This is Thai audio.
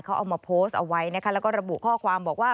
เขาเอามาโพสต์เอาไว้นะคะแล้วก็ระบุข้อความบอกว่า